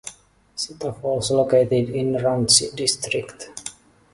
Sita Falls located in Ranchi district.